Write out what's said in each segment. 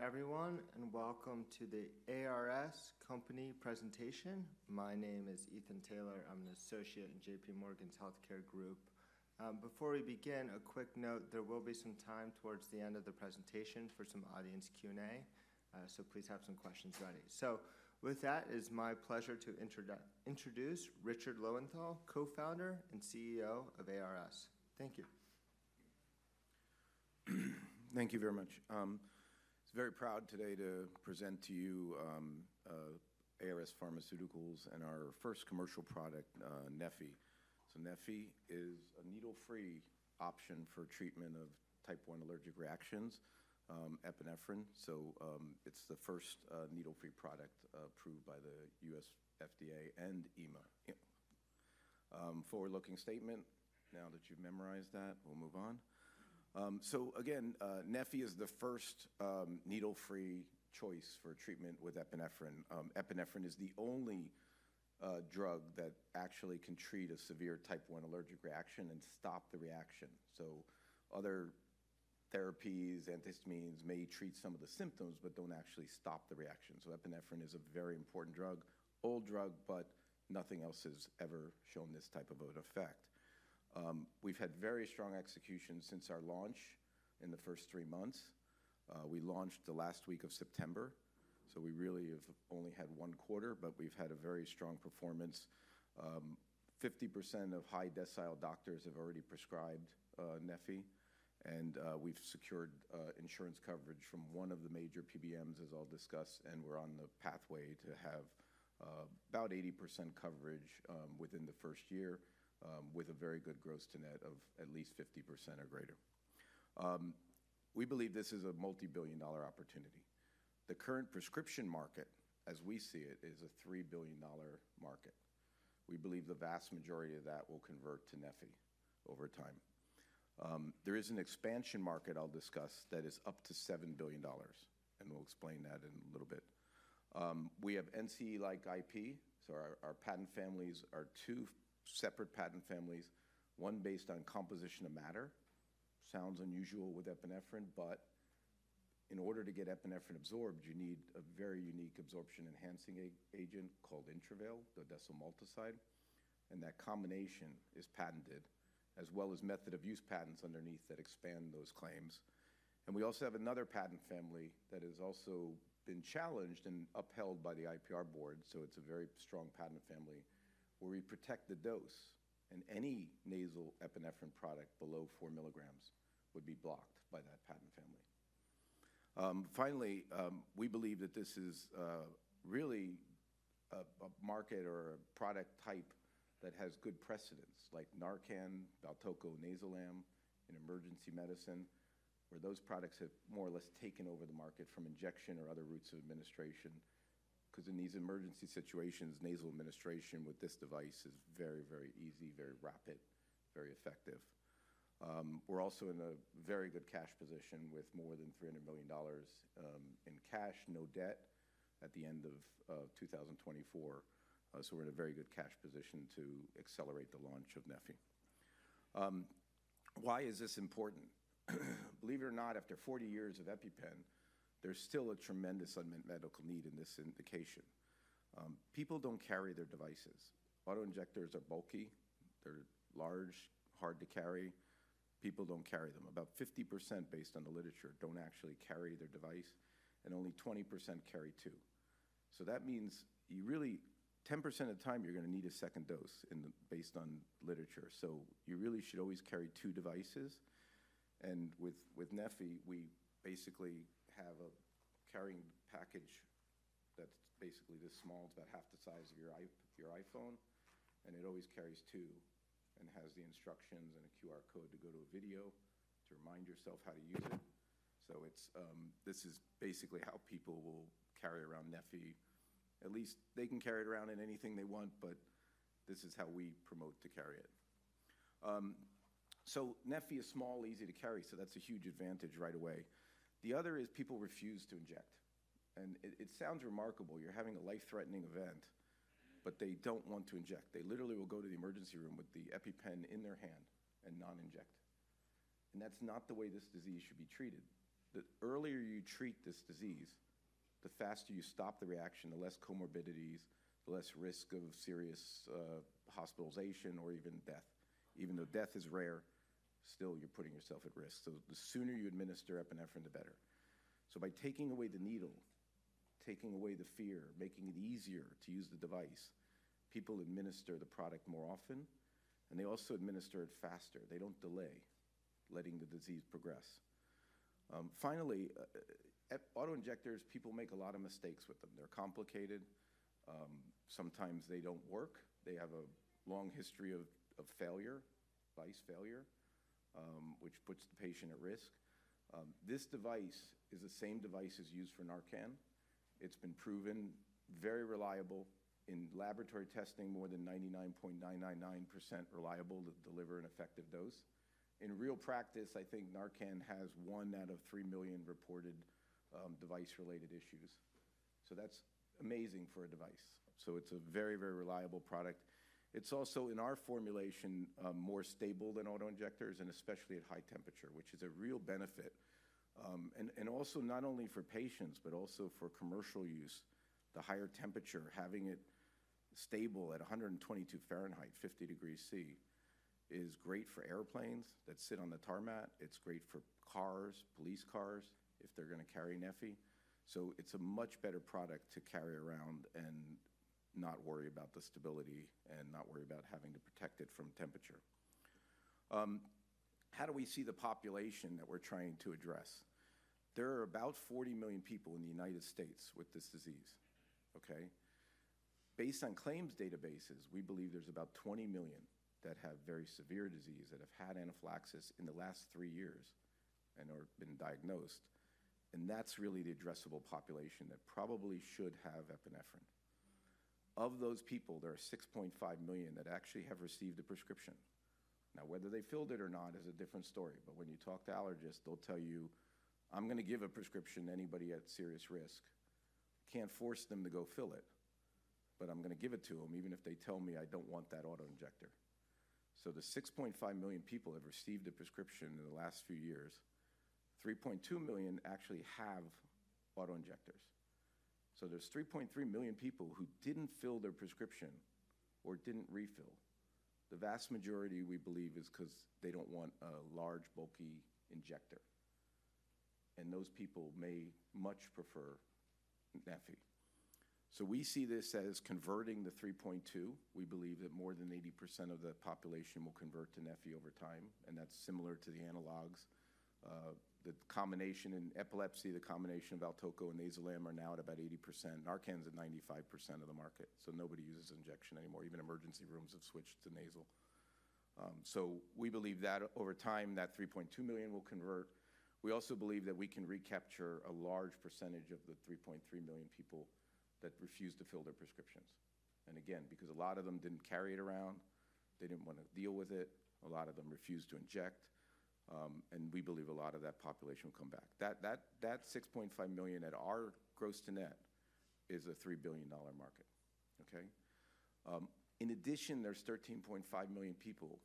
Good morning, everyone, and welcome to the ARS company presentation. My name is Ethan Taylor. I'm an associate in J.P. Morgan's healthcare group. Before we begin, a quick note: there will be some time toward the end of the presentation for some audience Q&A, so please have some questions ready. So, with that, it is my pleasure to introduce Richard Lowenthal, Co-founder and CEO of ARS. Thank you. Thank you very much. I'm very proud today to present to you ARS Pharmaceuticals and our first commercial product, neffy. neffy is a needle-free option for treatment of Type I allergic reactions, epinephrine. It is the first needle-free product approved by the U.S. FDA and EMA. Forward-looking statement. Now that you've memorized that, we'll move on. Again, neffy is the first needle-free choice for treatment with epinephrine. Epinephrine is the only drug that actually can treat a severe Type I allergic reaction and stop the reaction. Other therapies, antihistamines, may treat some of the symptoms but don't actually stop the reaction. Epinephrine is a very important drug, old drug, but nothing else has ever shown this type of effect. We've had very strong execution since our launch in the first three months. We launched the last week of September, so we really have only had one quarter, but we've had a very strong performance. 50% of high-decile doctors have already prescribed neffy, and we've secured insurance coverage from one of the major PBMs, as I'll discuss, and we're on the pathway to have about 80% coverage within the first year, with a very good gross-to-net of at least 50% or greater. We believe this is a multi-billion-dollar opportunity. The current prescription market, as we see it, is a $3 billion market. We believe the vast majority of that will convert to neffy over time. There is an expansion market I'll discuss that is up to $7 billion, and we'll explain that in a little bit. We have NCE-like IP, so our patent families are two separate patent families, one based on composition of matter. Sounds unusual with epinephrine, but in order to get epinephrine absorbed, you need a very unique absorption-enhancing agent called Intravail, the dodecyl maltoside, and that combination is patented, as well as method-of-use patents underneath that expand those claims. And we also have another patent family that has also been challenged and upheld by the IPR Board, so it's a very strong patent family where we protect the dose, and any nasal epinephrine product below four milligrams would be blocked by that patent family. Finally, we believe that this is really a market or a product type that has good precedents, like Narcan, Valtoco, and Nayzilam, in emergency medicine, where those products have more or less taken over the market from injection or other routes of administration, because in these emergency situations, nasal administration with this device is very, very easy, very rapid, very effective. We're also in a very good cash position with more than $300 million in cash, no debt, at the end of 2024, so we're in a very good cash position to accelerate the launch of neffy. Why is this important? Believe it or not, after 40 years of EpiPen, there's still a tremendous unmet medical need in this indication. People don't carry their devices. Autoinjectors are bulky. They're large, hard to carry. People don't carry them. About 50%, based on the literature, don't actually carry their device, and only 20% carry two. So that means you really, 10% of the time, you're going to need a second dose, based on literature, so you really should always carry two devices. And with neffy, we basically have a carrying package that's basically this small, about half the size of your iPhone, and it always carries two, and has the instructions and a QR code to go to a video to remind yourself how to use it. So this is basically how people will carry around neffy. At least they can carry it around in anything they want, but this is how we promote to carry it. So neffy is small, easy to carry, so that's a huge advantage right away. The other is people refuse to inject. And it sounds remarkable. You're having a life-threatening event, but they don't want to inject. They literally will go to the emergency room with the EpiPen in their hand and not inject. And that's not the way this disease should be treated. The earlier you treat this disease, the faster you stop the reaction, the less comorbidities, the less risk of serious hospitalization or even death. Even though death is rare, still you're putting yourself at risk. So the sooner you administer epinephrine, the better. So by taking away the needle, taking away the fear, making it easier to use the device, people administer the product more often, and they also administer it faster. They don't delay letting the disease progress. Finally, autoinjectors, people make a lot of mistakes with them. They're complicated. Sometimes they don't work. They have a long history of failure, device failure, which puts the patient at risk. This device is the same device that's used for Narcan. It's been proven, very reliable. In laboratory testing, more than 99.999% reliable to deliver an effective dose. In real practice, I think Narcan has one out of three million reported device-related issues. So that's amazing for a device. So it's a very, very reliable product. It's also, in our formulation, more stable than autoinjectors, and especially at high temperature, which is a real benefit. And also, not only for patients, but also for commercial use, the higher temperature, having it stable at 122 degrees Fahrenheit, 50 degrees Celsius, is great for airplanes that sit on the tarmac. It's great for cars, police cars, if they're going to carry neffy. So it's a much better product to carry around and not worry about the stability and not worry about having to protect it from temperature. How do we see the population that we're trying to address? There are about 40 million people in the United States with this disease, okay? Based on claims databases, we believe there's about 20 million that have very severe disease, that have had anaphylaxis in the last three years and/or been diagnosed, and that's really the addressable population that probably should have epinephrine. Of those people, there are 6.5 million that actually have received a prescription. Now, whether they filled it or not is a different story, but when you talk to allergists, they'll tell you, "I'm going to give a prescription to anybody at serious risk. I can't force them to go fill it, but I'm going to give it to them even if they tell me I don't want that autoinjector." So the 6.5 million people have received a prescription in the last few years, 3.2 million actually have autoinjectors, so there's 3.3 million people who didn't fill their prescription or didn't refill. The vast majority, we believe, is because they don't want a large, bulky injector. And those people may much prefer neffy. So we see this as converting the 3.2. We believe that more than 80% of the population will convert to neffy over time, and that's similar to the analogs. The combination in epilepsy, the combination of Valtoco and Nayzilam, are now at about 80%. Narcan's at 95% of the market, so nobody uses injection anymore. Even emergency rooms have switched to nasal. So we believe that over time, that 3.2 million will convert. We also believe that we can recapture a large percentage of the 3.3 million people that refuse to fill their prescriptions. And again, because a lot of them didn't carry it around, they didn't want to deal with it, a lot of them refused to inject, and we believe a lot of that population will come back. That 6.5 million at our gross-to-net is a $3 billion market, okay? In addition, there's 13.5 million people.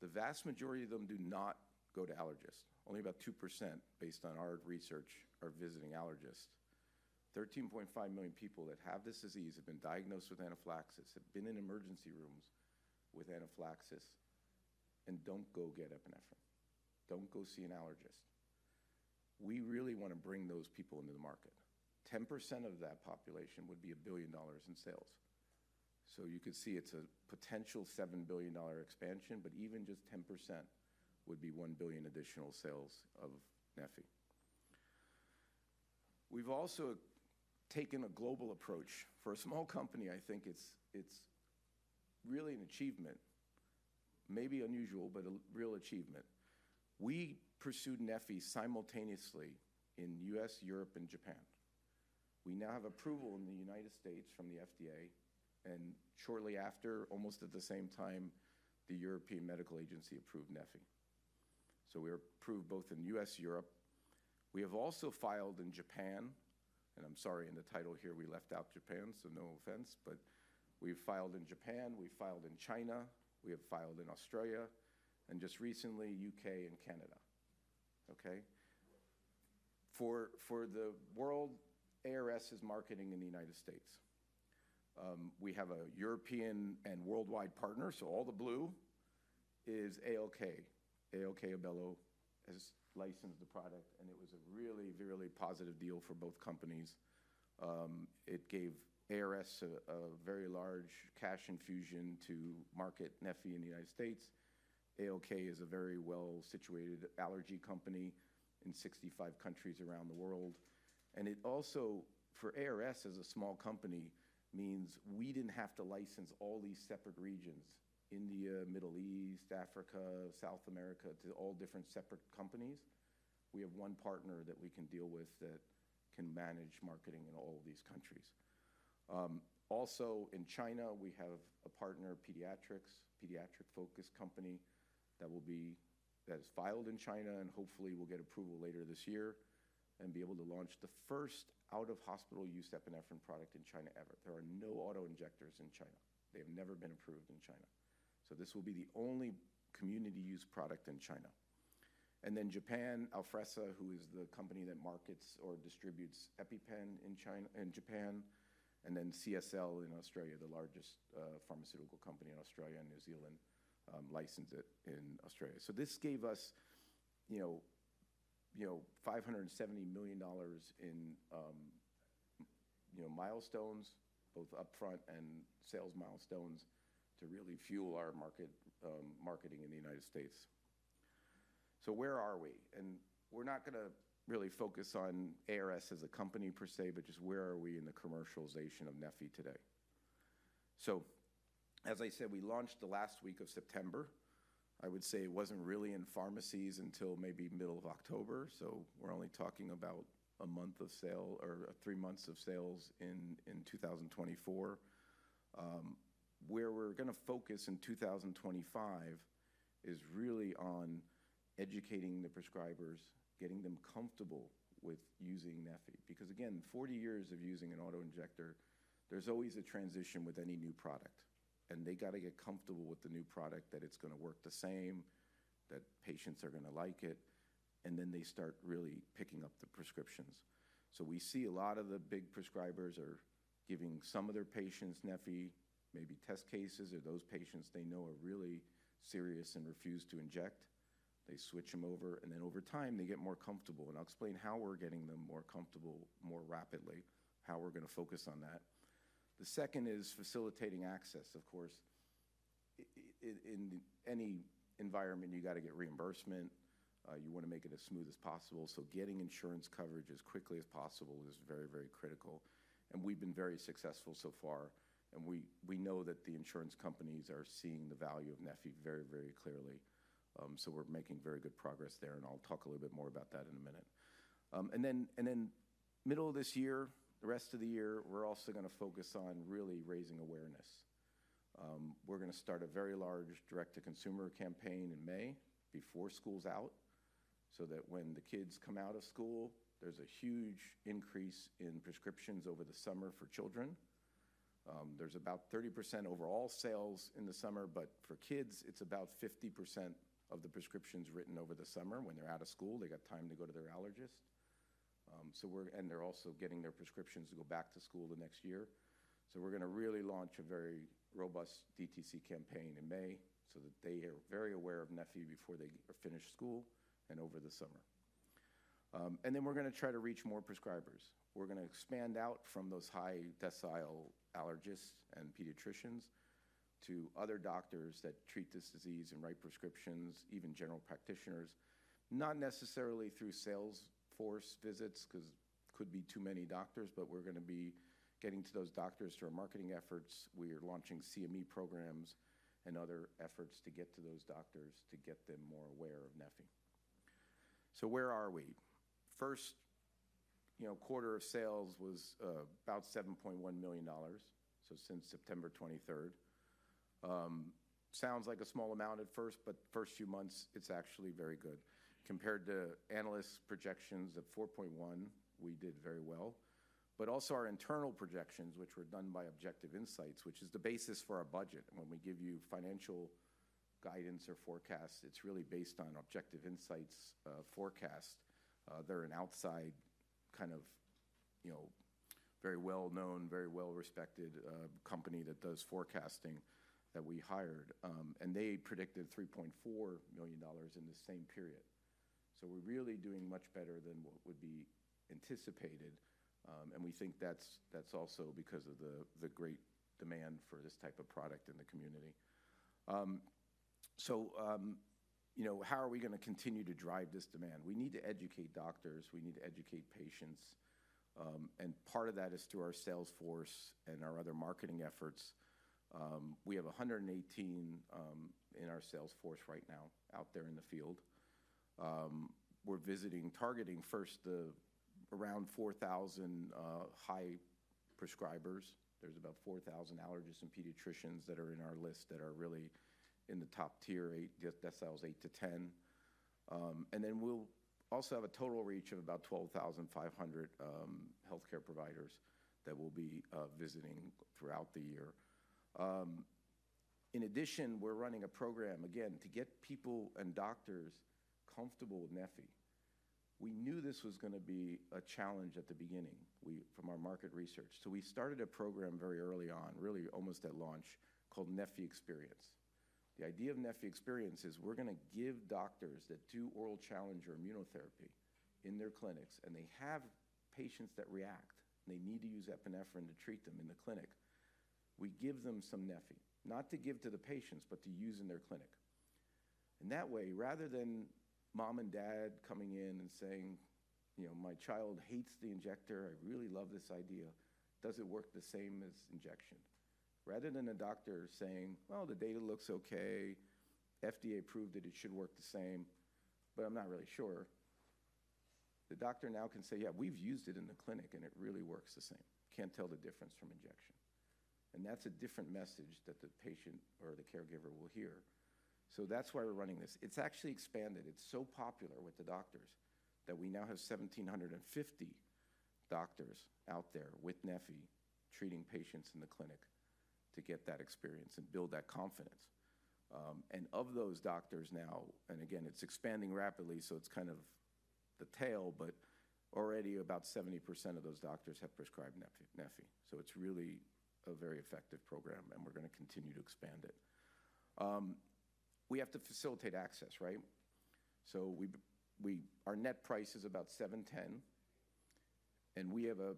The vast majority of them do not go to allergists. Only about 2%, based on our research, are visiting allergists. 13.5 million people that have this disease have been diagnosed with anaphylaxis, have been in emergency rooms with anaphylaxis, and don't go get epinephrine. Don't go see an allergist. We really want to bring those people into the market. 10% of that population would be $1 billion in sales. So you could see it's a potential $7 billion expansion, but even just 10% would be $1 billion additional sales of neffy. We've also taken a global approach. For a small company, I think it's really an achievement, maybe unusual, but a real achievement. We pursued neffy simultaneously in the U.S., Europe, and Japan. We now have approval in the United States from the FDA, and shortly after, almost at the same time, the European Medicines Agency approved neffy. So we approved both in the U.S. and Europe. We have also filed in Japan, and I'm sorry, in the title here, we left out Japan, so no offense, but we've filed in Japan, we've filed in China, we have filed in Australia, and just recently, U.K. and Canada, okay? For the world, ARS is marketing in the United States. We have a European and worldwide partner, so all the blue is ALK. ALK-Abelló has licensed the product, and it was a really, really positive deal for both companies. It gave ARS a very large cash infusion to market neffy in the United States. ALK-Abelló is a very well-situated allergy company in 65 countries around the world. And it also, for ARS as a small company, means we didn't have to license all these separate regions: India, Middle East, Africa, South America, to all different separate companies. We have one partner that we can deal with that can manage marketing in all of these countries. Also, in China, we have a partner, Pediatrix, a pediatric-focused company that has filed in China and hopefully will get approval later this year and be able to launch the first out-of-hospital-use epinephrine product in China ever. There are no autoinjectors in China. They have never been approved in China, so this will be the only community-use product in China, and then Japan, Alfresa, who is the company that markets or distributes EpiPen in Japan, and then CSL in Australia, the largest pharmaceutical company in Australia and New Zealand, licensed it in Australia, so this gave us, you know, $570 million in milestones, both upfront and sales milestones, to really fuel our marketing in the United States. Where are we, and we're not going to really focus on ARS as a company per se, but just where are we in the commercialization of neffy today? As I said, we launched the last week of September. I would say it wasn't really in pharmacies until maybe middle of October, so we're only talking about a month of sales or three months of sales in 2024. Where we're going to focus in 2025 is really on educating the prescribers, getting them comfortable with using neffy, because, again, 40 years of using an autoinjector, there's always a transition with any new product, and they've got to get comfortable with the new product, that it's going to work the same, that patients are going to like it, and then they start really picking up the prescriptions. So we see a lot of the big prescribers are giving some of their patients neffy, maybe test cases, or those patients they know are really serious and refuse to inject. They switch them over, and then over time, they get more comfortable, and I'll explain how we're getting them more comfortable more rapidly, how we're going to focus on that. The second is facilitating access, of course. In any environment, you've got to get reimbursement. You want to make it as smooth as possible, so getting insurance coverage as quickly as possible is very, very critical, and we've been very successful so far, and we know that the insurance companies are seeing the value of neffy very, very clearly, so we're making very good progress there, and I'll talk a little bit more about that in a minute, and then middle of this year, the rest of the year, we're also going to focus on really raising awareness. We're going to start a very large direct-to-consumer campaign in May, before school's out, so that when the kids come out of school, there's a huge increase in prescriptions over the summer for children. There's about 30% overall sales in the summer, but for kids, it's about 50% of the prescriptions written over the summer when they're out of school. They've got time to go to their allergist. And they're also getting their prescriptions to go back to school the next year. So we're going to really launch a very robust DTC campaign in May so that they are very aware of neffy before they finish school and over the summer. And then we're going to try to reach more prescribers. We're going to expand out from those high-decile allergists and pediatricians to other doctors that treat this disease and write prescriptions, even general practitioners, not necessarily through sales force visits, because it could be too many doctors, but we're going to be getting to those doctors through our marketing efforts. We are launching CME programs and other efforts to get to those doctors to get them more aware of neffy. So where are we? First quarter of sales was about $7.1 million, so since September 2023. Sounds like a small amount at first, but the first few months, it's actually very good. Compared to analysts' projections of $4.1 million, we did very well. But also our internal projections, which were done by Objective Insights, which is the basis for our budget. When we give you financial guidance or forecasts, it's really based on Objective Insights' forecast. They're an outside kind of very well-known, very well-respected company that does forecasting that we hired, and they predicted $3.4 million in the same period. So we're really doing much better than what would be anticipated, and we think that's also because of the great demand for this type of product in the community. So how are we going to continue to drive this demand? We need to educate doctors. We need to educate patients. And part of that is through our sales force and our other marketing efforts. We have 118 in our sales force right now out there in the field. We're visiting, targeting first around 4,000 high prescribers. There's about 4,000 allergists and pediatricians that are in our list that are really in the top tier 8, deciles 8 to 10. And then we'll also have a total reach of about 12,500 healthcare providers that will be visiting throughout the year. In addition, we're running a program, again, to get people and doctors comfortable with neffy. We knew this was going to be a challenge at the beginning from our market research, so we started a program very early on, really almost at launch, called neffy Experience. The idea of neffy Experience is we're going to give doctors that do oral challenge or immunotherapy in their clinics, and they have patients that react, and they need to use epinephrine to treat them in the clinic. We give them some neffy, not to give to the patients, but to use in their clinic. And that way, rather than mom and dad coming in and saying, "My child hates the injector. I really love this idea. Does it work the same as injection?" rather than a doctor saying, "Well, the data looks okay. FDA approved it. It should work the same, but I'm not really sure," the doctor now can say, "Yeah, we've used it in the clinic, and it really works the same. Can't tell the difference from injection." And that's a different message that the patient or the caregiver will hear. So that's why we're running this. It's actually expanded. It's so popular with the doctors that we now have 1,750 doctors out there with neffy treating patients in the clinic to get that experience and build that confidence. Of those doctors now, and again, it's expanding rapidly, so it's kind of the tail, but already about 70% of those doctors have prescribed neffy. So it's really a very effective program, and we're going to continue to expand it. We have to facilitate access, right? So our net price is about $710, and we have a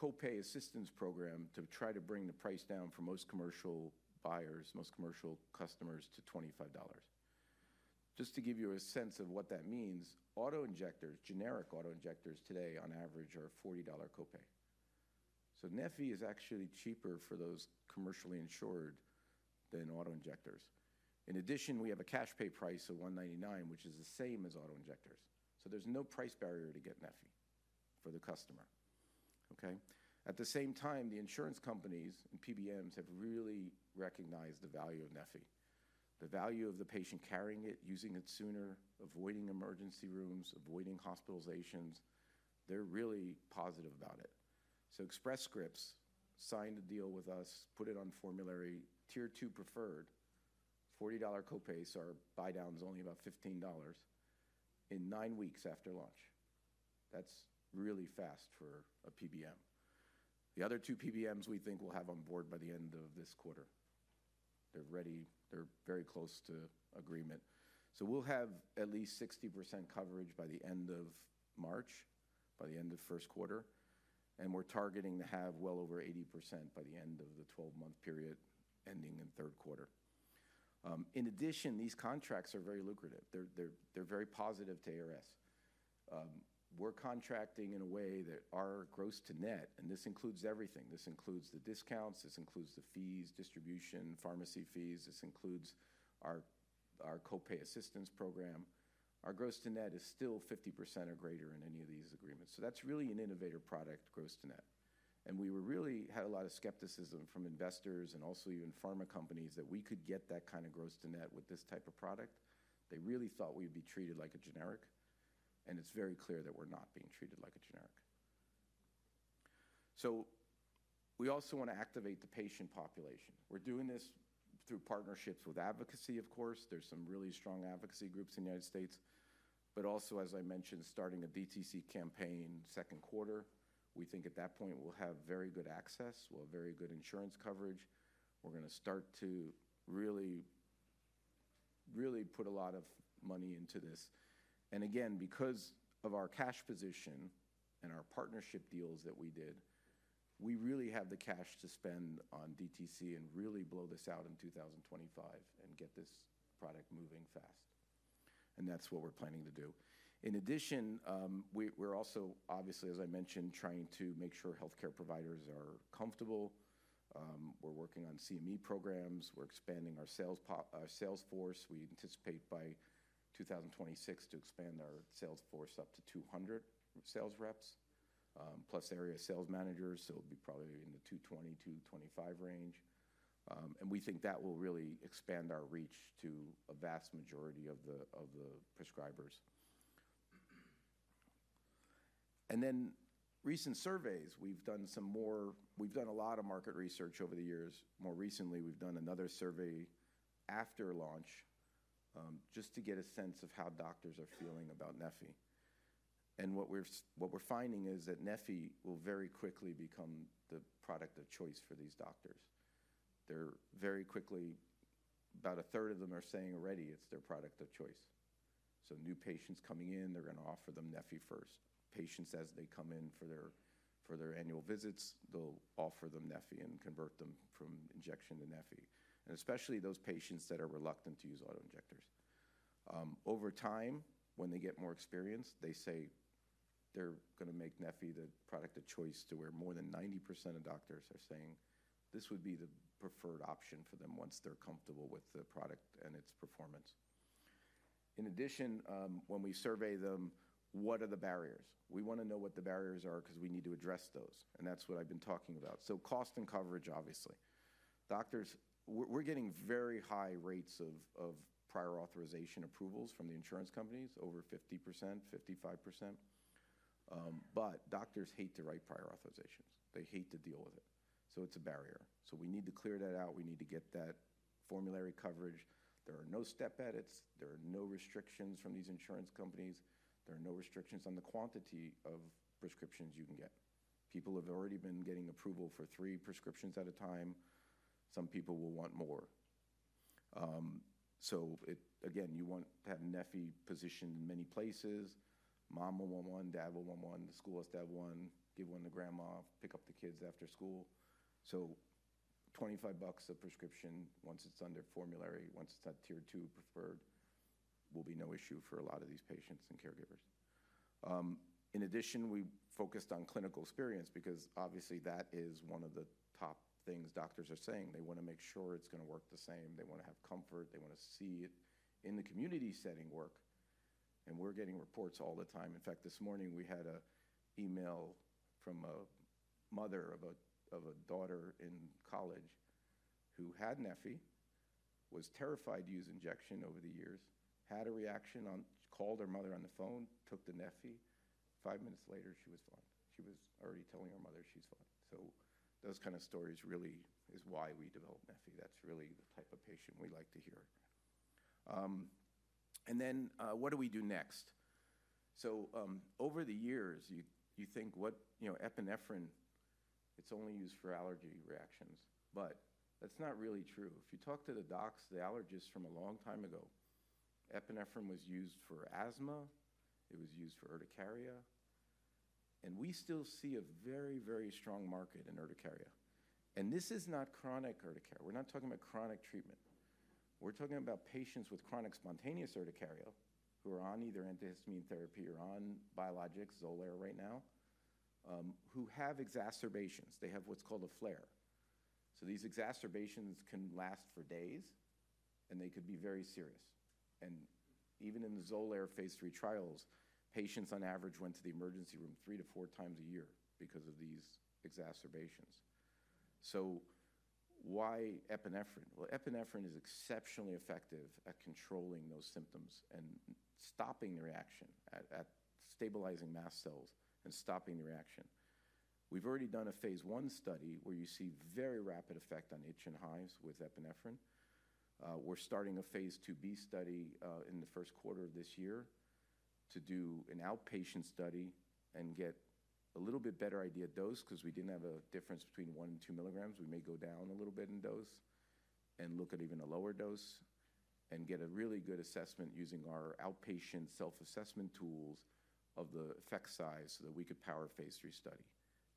copay assistance program to try to bring the price down for most commercial buyers, most commercial customers, to $25. Just to give you a sense of what that means, autoinjectors, generic autoinjectors today, on average, are $40 copay. So neffy is actually cheaper for those commercially insured than autoinjectors. In addition, we have a cash pay price of $199, which is the same as autoinjectors. So there's no price barrier to get neffy for the customer, okay? At the same time, the insurance companies and PBMs have really recognized the value of neffy, the value of the patient carrying it, using it sooner, avoiding emergency rooms, avoiding hospitalizations. They're really positive about it. So Express Scripts signed a deal with us, put it on formulary, tier two preferred, $40 copays, so our buy-down's only about $15, in nine weeks after launch. That's really fast for a PBM. The other two PBMs we think we'll have on board by the end of this quarter. They're very close to agreement. So we'll have at least 60% coverage by the end of March, by the end of first quarter, and we're targeting to have well over 80% by the end of the 12-month period ending in third quarter. In addition, these contracts are very lucrative. They're very positive to ARS. We're contracting in a way that our gross-to-net, and this includes everything. This includes the discounts. This includes the fees, distribution, pharmacy fees. This includes our copay assistance program. Our gross-to-net is still 50% or greater in any of these agreements. So that's really an innovative product, gross to net. And we really had a lot of skepticism from investors and also even pharma companies that we could get that kind of gross-to-net with this type of product. They really thought we'd be treated like a generic, and it's very clear that we're not being treated like a generic. So we also want to activate the patient population. We're doing this through partnerships with advocacy, of course. There's some really strong advocacy groups in the United States. But also, as I mentioned, starting a DTC campaign second quarter, we think at that point we'll have very good access, we'll have very good insurance coverage. We're going to start to really, really put a lot of money into this. And again, because of our cash position and our partnership deals that we did, we really have the cash to spend on DTC and really blow this out in 2025 and get this product moving fast. And that's what we're planning to do. In addition, we're also, obviously, as I mentioned, trying to make sure healthcare providers are comfortable. We're working on CME programs. We're expanding our sales force. We anticipate by 2026 to expand our sales force up to 200 sales reps, plus area sales managers, so it'll be probably in the 220-225 range. And we think that will really expand our reach to a vast majority of the prescribers. And then recent surveys, we've done a lot of market research over the years. More recently, we've done another survey after launch just to get a sense of how doctors are feeling about neffy. And what we're finding is that neffy will very quickly become the product of choice for these doctors. They're very quickly, about a third of them are saying already it's their product of choice. So new patients coming in, they're going to offer them neffy first. Patients, as they come in for their annual visits, they'll offer them neffy and convert them from injection to neffy, and especially those patients that are reluctant to use autoinjectors. Over time, when they get more experience, they say they're going to make neffy the product of choice to where more than 90% of doctors are saying this would be the preferred option for them once they're comfortable with the product and its performance. In addition, when we survey them, what are the barriers? We want to know what the barriers are because we need to address those, and that's what I've been talking about. So cost and coverage, obviously. Doctors, we're getting very high rates of prior authorization approvals from the insurance companies, over 50%, 55%. But doctors hate to write prior authorizations. They hate to deal with it, so it's a barrier. So we need to clear that out. We need to get that formulary coverage. There are no step edits. There are no restrictions from these insurance companies. There are no restrictions on the quantity of prescriptions you can get. People have already been getting approval for three prescriptions at a time. Some people will want more. So again, you want to have neffy positioned in many places. Mom will want one. Dad will want one. The school has to have one. Give one to grandma. Pick up the kids after school, so $25 a prescription once it's under formulary, once it's at tier two preferred, will be no issue for a lot of these patients and caregivers. In addition, we focused on clinical experience because obviously that is one of the top things doctors are saying. They want to make sure it's going to work the same. They want to have comfort. They want to see it in the community setting work, and we're getting reports all the time. In fact, this morning we had an email from a mother of a daughter in college who had neffy, was terrified to use injection over the years, had a reaction, called her mother on the phone, took the neffy. Five minutes later, she was fine. She was already telling her mother she's fine. So those kind of stories really is why we develop neffy. That's really the type of patient we like to hear. And then what do we do next? So over the years, you think, "What? Epinephrine, it's only used for allergy reactions." But that's not really true. If you talk to the docs, the allergists from a long time ago, epinephrine was used for asthma. It was used for urticaria. And we still see a very, very strong market in urticaria. And this is not chronic urticaria. We're not talking about chronic treatment. We're talking about patients with chronic spontaneous urticaria who are on either antihistamine therapy or on biologics, Xolair right now, who have exacerbations. They have what's called a flare. So these exacerbations can last for days, and they could be very serious. And even in the Xolair phase three trials, patients on average went to the emergency room three to four times a year because of these exacerbations. So why epinephrine? Well, epinephrine is exceptionally effective at controlling those symptoms and stopping the reaction, at stabilizing mast cells and stopping the reaction. We've already done a Phase 1 study where you see very rapid effect on itch and hives with epinephrine. We're starting a Phase 2b study in the first quarter of this year to do an outpatient study and get a little bit better idea of dose because we didn't have a difference between one and two milligrams. We may go down a little bit in dose and look at even a lower dose and get a really good assessment using our outpatient self-assessment tools of the effect size so that we could power a Phase 3 study.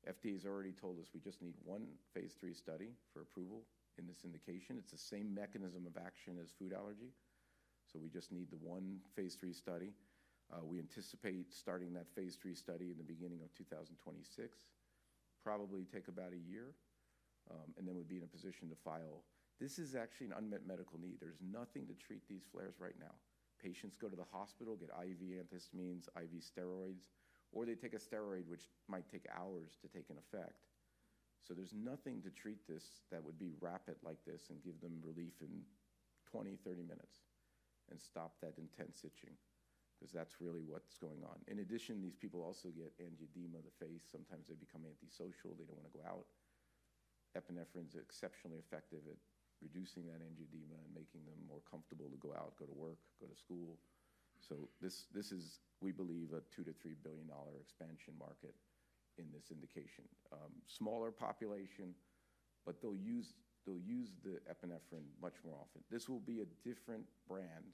FDA has already told us we just need one Phase 3 study for approval in this indication. It's the same mechanism of action as food allergy. So we just need the one Phase 3 study. We anticipate starting that Phase 3 study in the beginning of 2026, probably take about a year, and then we'd be in a position to file. This is actually an unmet medical need. There's nothing to treat these flares right now. Patients go to the hospital, get IV antihistamines, IV steroids, or they take a steroid, which might take hours to take effect. So there's nothing to treat this that would be rapid like this and give them relief in 20, 30 minutes and stop that intense itching because that's really what's going on. In addition, these people also get angioedema of the face. Sometimes they become antisocial. They don't want to go out. Epinephrine is exceptionally effective at reducing that angioedema and making them more comfortable to go out, go to work, go to school. So this is, we believe, a $2-3 billion expansion market in this indication. Smaller population, but they'll use the epinephrine much more often. This will be a different brand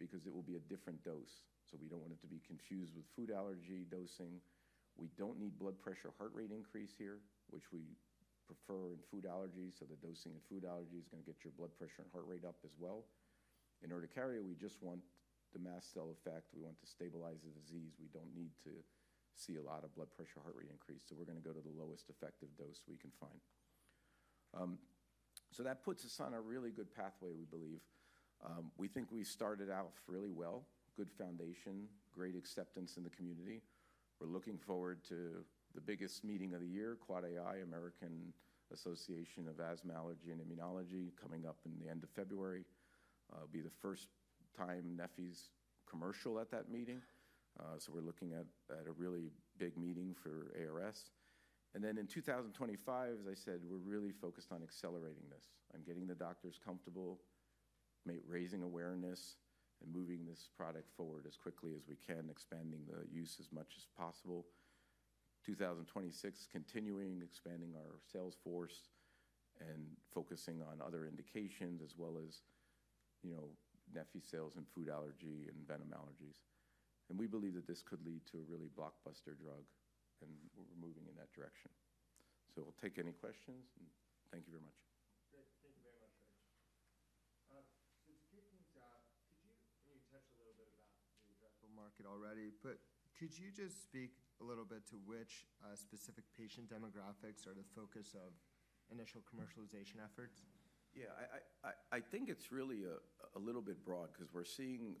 because it will be a different dose. So we don't want it to be confused with food allergy dosing. We don't need blood pressure, heart rate increase here, which we prefer in food allergy, so the dosing in food allergy is going to get your blood pressure and heart rate up as well. In urticaria, we just want the mast cell effect. We want to stabilize the disease. We don't need to see a lot of blood pressure, heart rate increase. So we're going to go to the lowest effective dose we can find. So that puts us on a really good pathway, we believe. We think we started out really well. Good foundation, great acceptance in the community. We're looking forward to the biggest meeting of the year, Quad AI, American Academy of Allergy, Asthma & Immunology, coming up in the end of February. It'll be the first time neffy's commercial at that meeting. So we're looking at a really big meeting for ARS. And then in 2025, as I said, we're really focused on accelerating this. I'm getting the doctors comfortable, raising awareness, and moving this product forward as quickly as we can, expanding the use as much as possible. 2026, continuing expanding our sales force and focusing on other indications as well as neffy sales and food allergy and venom allergies. And we believe that this could lead to a really blockbuster drug, and we're moving in that direction. So we'll take any questions. Thank you very much. Thank you very much, Rich. So to kick things off, could you maybe touch a little bit about the market already, but could you just speak a little bit to which specific patient demographics are the focus of initial commercialization efforts? Yeah, I think it's really a little bit broad because we're seeing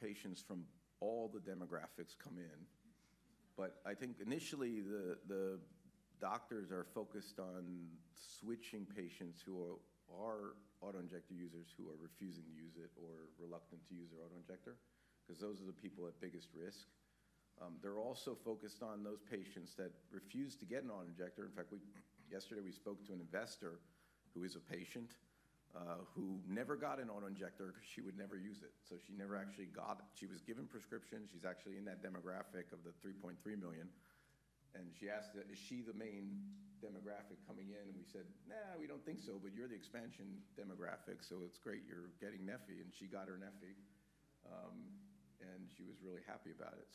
patients from all the demographics come in. I think initially the doctors are focused on switching patients who are autoinjector users who are refusing to use it or reluctant to use their autoinjector because those are the people at biggest risk. They're also focused on those patients that refuse to get an autoinjector. In fact, yesterday we spoke to an investor who is a patient who never got an autoinjector because she would never use it. So she never actually got it. She was given prescriptions. She's actually in that demographic of the 3.3 million. And she asked, "Is she the main demographic coming in?" And we said, "Nah, we don't think so, but you're the expansion demographic, so it's great you're getting neffy." And she got her neffy, and she was really happy about it.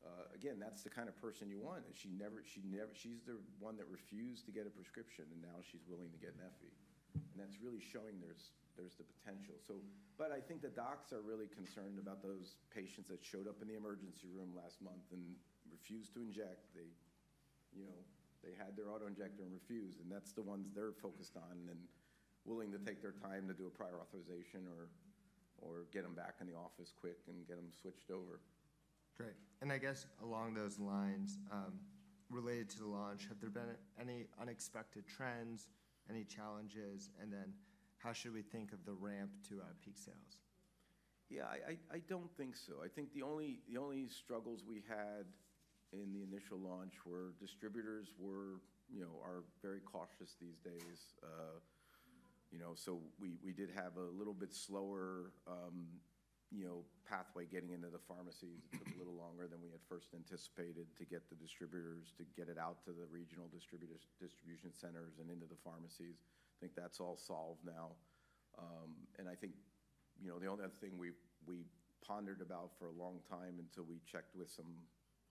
So again, that's the kind of person you want. She's the one that refused to get a prescription, and now she's willing to get neffy. And that's really showing there's the potential. But I think the docs are really concerned about those patients that showed up in the emergency room last month and refused to inject. They had their autoinjector and refused, and that's the ones they're focused on and willing to take their time to do a prior authorization or get them back in the office quick and get them switched over. Great. And I guess along those lines, related to the launch, have there been any unexpected trends, any challenges, and then how should we think of the ramp to peak sales? Yeah, I don't think so. I think the only struggles we had in the initial launch were distributors are very cautious these days. We did have a little bit slower pathway getting into the pharmacies. It took a little longer than we had first anticipated to get the distributors to get it out to the regional distribution centers and into the pharmacies. I think that's all solved now. I think the only other thing we pondered about for a long time until we checked with some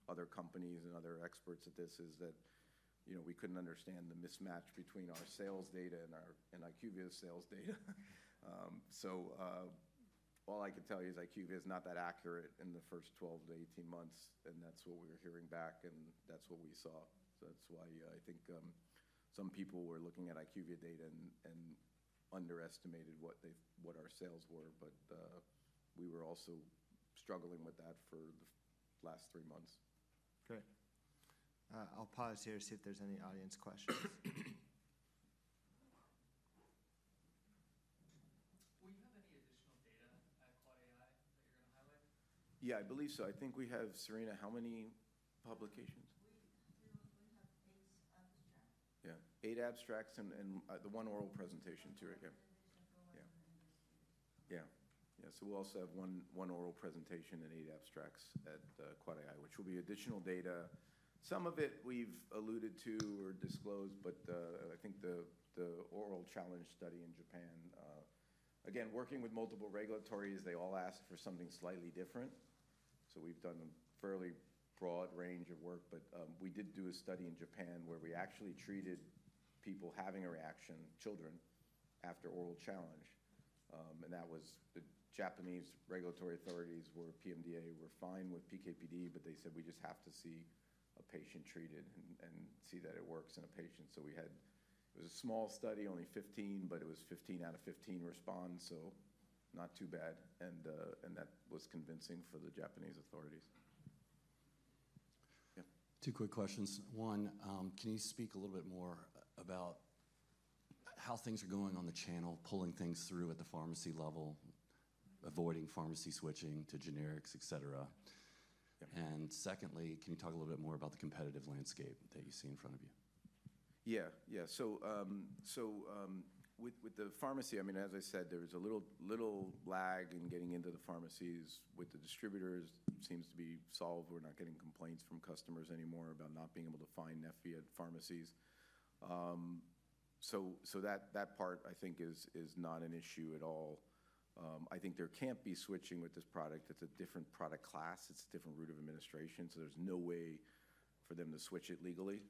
other companies and other experts at this is that we couldn't understand the mismatch between our sales data and IQVIA's sales data. All I can tell you is IQVIA is not that accurate in the first 12-18 months, and that's what we were hearing back, and that's what we saw. That's why I think some people were looking at IQVIA data and underestimated what our sales were, but we were also struggling with that for the last three months. Great. I'll pause here to see if there's any audience questions. Will you have any additional data at Quad AI that you're going to highlight? Yeah, I believe so. I think we have, Sarina, how many publications? We have eight abstracts. Yeah, eight abstracts and the one oral presentation too. Yeah, yeah. So we'll also have one oral presentation and eight abstracts at Quad AI, which will be additional data. Some of it we've alluded to or disclosed, but I think the oral challenge study in Japan, again, working with multiple regulators, they all asked for something slightly different. So we've done a fairly broad range of work, but we did do a study in Japan where we actually treated people having a reaction, children, after oral challenge. That was the Japanese regulatory authorities, PMDA, were fine with PKPD, but they said, "We just have to see a patient treated and see that it works in a patient." It was a small study, only 15, but it was 15 out of 15 response, so not too bad. And that was convincing for the Japanese authorities. Two quick questions. One, can you speak a little bit more about how things are going on the channel, pulling things through at the pharmacy level, avoiding pharmacy switching to generics, etc.? And secondly, can you talk a little bit more about the competitive landscape that you see in front of you? Yeah, yeah. So with the pharmacy, I mean, as I said, there was a little lag in getting into the pharmacies with the distributors. Seems to be solved. We're not getting complaints from customers anymore about not being able to find neffy at pharmacies. So that part, I think, is not an issue at all. I think there can't be switching with this product. It's a different product class. It's a different route of administration. So there's no way for them to switch it legally.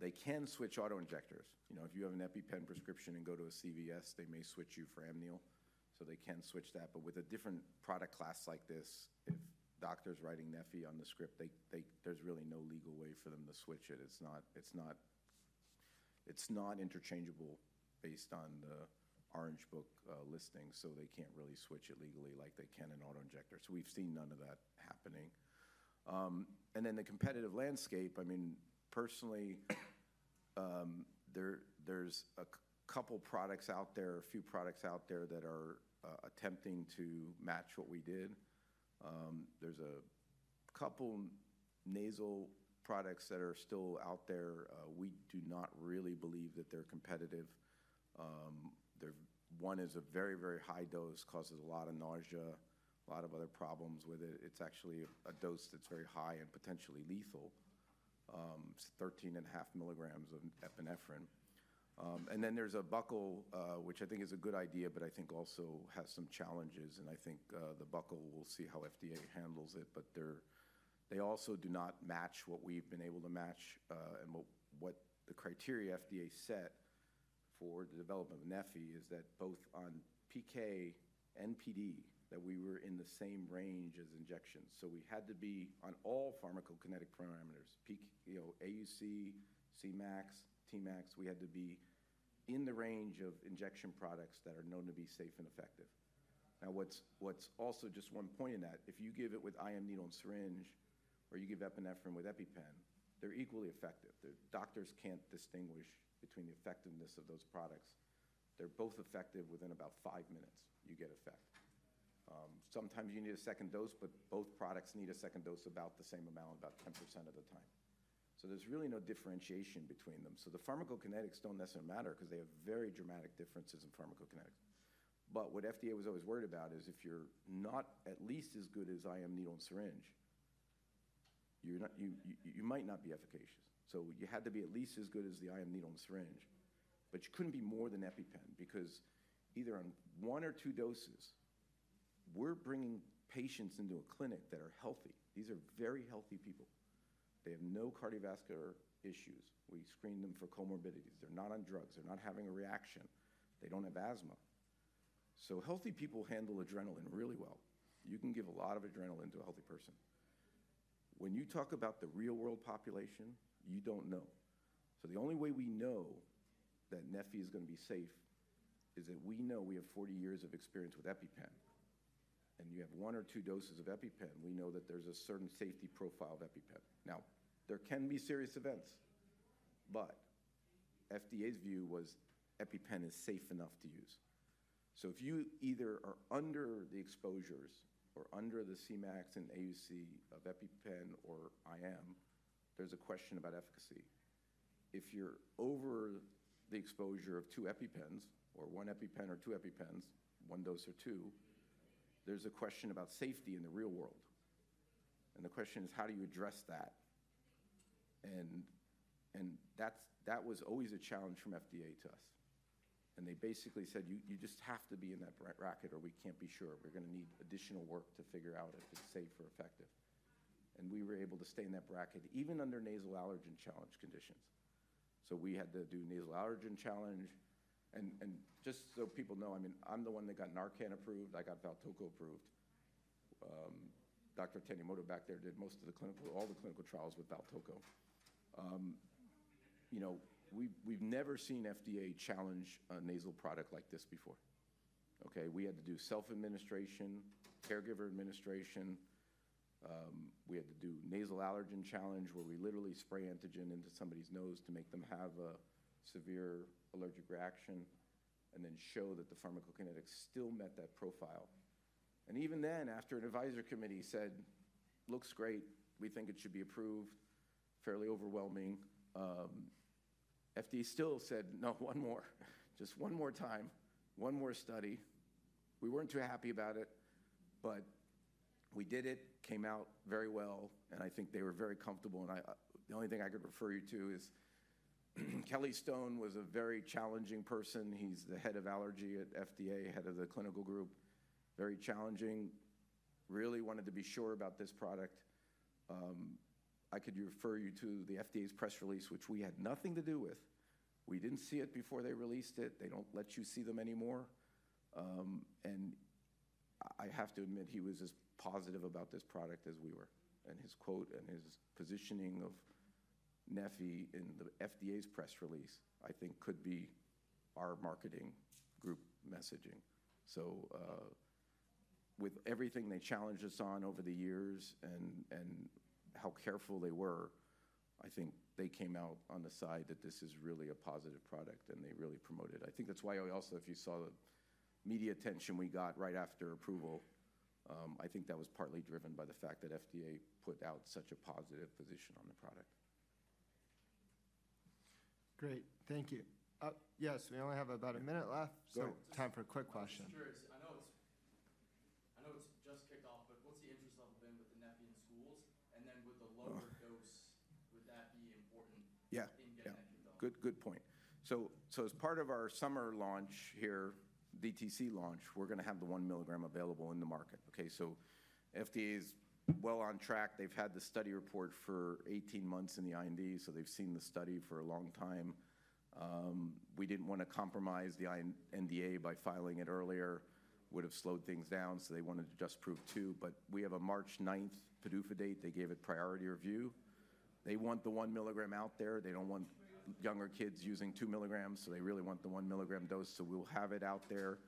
They can switch autoinjectors. If you have an EpiPen prescription and go to a CVS, they may switch you for Amneal. So they can switch that. But with a different product class like this, if doctor's writing neffy on the script, there's really no legal way for them to switch it. It's not interchangeable based on the Orange Book listing, so they can't really switch it legally like they can an autoinjector. So we've seen none of that happening. And then the competitive landscape, I mean, personally, there's a couple products out there, a few products out there that are attempting to match what we did. There's a couple nasal products that are still out there. We do not really believe that they're competitive. One is a very, very high dose, causes a lot of nausea, a lot of other problems with it. It's actually a dose that's very high and potentially lethal. It's 13.5 milligrams of epinephrine. And then there's a buccal, which I think is a good idea, but I think also has some challenges. And I think the buccal, we'll see how FDA handles it, but they also do not match what we've been able to match. And what the criteria FDA set for the development of neffy is that both on PK and PD, that we were in the same range as injections. We had to be on all pharmacokinetic parameters, AUC, Cmax, Tmax. We had to be in the range of injection products that are known to be safe and effective. Now, what's also just one point in that, if you give it with IM needle and syringe or you give epinephrine with EpiPen, they're equally effective. Doctors can't distinguish between the effectiveness of those products. They're both effective within about five minutes. You get effect. Sometimes you need a second dose, but both products need a second dose about the same amount, about 10% of the time. So there's really no differentiation between them. So the pharmacokinetics don't necessarily matter because they have very dramatic differences in pharmacokinetics. But what FDA was always worried about is if you're not at least as good as IM needle and syringe, you might not be efficacious. So you had to be at least as good as the IM needle and syringe, but you couldn't be more than EpiPen because either on one or two doses, we're bringing patients into a clinic that are healthy. These are very healthy people. They have no cardiovascular issues. We screen them for comorbidities. They're not on drugs. They're not having a reaction. They don't have asthma. So healthy people handle adrenaline really well. You can give a lot of adrenaline to a healthy person. When you talk about the real-world population, you don't know. So the only way we know that neffy is going to be safe is that we know we have 40 years of experience with EpiPen. And you have one or two doses of EpiPen. We know that there's a certain safety profile of EpiPen. Now, there can be serious events, but FDA's view was EpiPen is safe enough to use. So if you either are under the exposures or under the Cmax and AUC of EpiPen or IM, there's a question about efficacy. If you're over the exposure of two EpiPens or one EpiPen or two EpiPens, one dose or two, there's a question about safety in the real world. And the question is, how do you address that? And that was always a challenge from FDA to us. And they basically said, "You just have to be in that bracket or we can't be sure. We're going to need additional work to figure out if it's safe or effective." And we were able to stay in that bracket even under nasal allergen challenge conditions. So we had to do nasal allergen challenge. Just so people know, I mean, I'm the one that got Narcan approved. I got Valtoco approved. Dr. Tanimoto back there did most of the clinical, all the clinical trials with Valtoco. We've never seen FDA challenge a nasal product like this before. Okay? We had to do self-administration, caregiver administration. We had to do nasal allergen challenge where we literally spray antigen into somebody's nose to make them have a severe allergic reaction and then show that the pharmacokinetics still met that profile. And even then, after an advisory committee said, "Looks great. We think it should be approved," fairly overwhelming, FDA still said, "No, one more. Just one more time. One more study." We weren't too happy about it, but we did it, came out very well, and I think they were very comfortable. The only thing I could refer you to is Kelly Stone was a very challenging person. He's the head of allergy at FDA, head of the clinical group. Very challenging. Really wanted to be sure about this product. I could refer you to the FDA's press release, which we had nothing to do with. We didn't see it before they released it. They don't let you see them anymore. I have to admit he was as positive about this product as we were. His quote and his positioning of neffy in the FDA's press release, I think, could be our marketing group messaging. With everything they challenged us on over the years and how careful they were, I think they came out on the side that this is really a positive product and they really promoted it. I think that's why I also, if you saw the media attention we got right after approval, I think that was partly driven by the fact that FDA put out such a positive position on the product. Great. Thank you. Yes, we only have about a minute left, so time for a quick question. I know it's just kicked off, but what's the interest level been with the neffy in schools? And then with the lower dose, would that be important in getting that kicked off? Yeah. Good point. So as part of our summer launch here, DTC launch, we're going to have the one milligram available in the market. Okay? So FDA is well on track. They've had the study report for 18 months in the IND, so they've seen the study for a long time. We didn't want to compromise the NDA by filing it earlier. Would have slowed things down, so they wanted to just prove two. But we have a March 9th PDUFA date. They gave it priority review. They want the one milligram out there. They don't want younger kids using two milligrams, so they really want the one milligram dose. So we'll have it out there.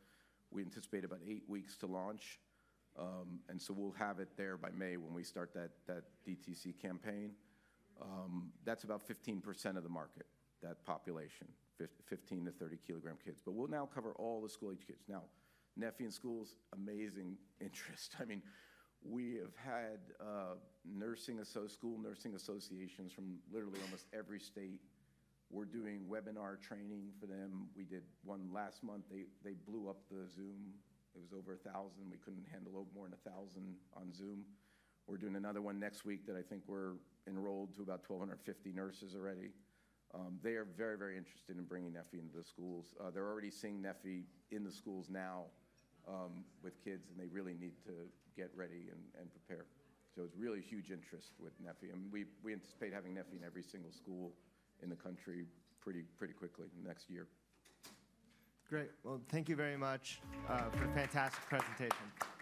We anticipate about eight weeks to launch. And so we'll have it there by May when we start that DTC campaign. That's about 15% of the market, that population, 15- to 30-kilogram kids. But we'll now cover all the school-age kids. Now, neffy in schools, amazing interest. I mean, we have had school nursing associations from literally almost every state. We're doing webinar training for them. We did one last month. They blew up the Zoom. It was over 1,000. We couldn't handle more than 1,000 on Zoom. We're doing another one next week that I think we're enrolled to about 1,250 nurses already. They are very, very interested in bringing neffy into the schools. They're already seeing neffy in the schools now with kids, and they really need to get ready and prepare, so it's really a huge interest with neffy, and we anticipate having neffy in every single school in the country pretty quickly next year. 5Great. Thank you very much for a fantastic presentation.